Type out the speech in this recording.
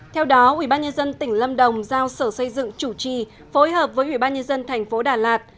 theo đó ubnd tỉnh lâm đồng giao sở xây dựng chủ trì phối hợp với ubnd tp đà lạt